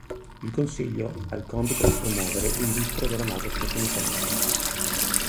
Il consiglio ha il compito di promuovere l'industria della moda statunitense.